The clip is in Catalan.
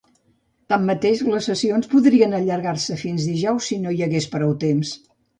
Tanmateix, les sessions podrien allargar-se fins dijous si no hi hagués prou temps.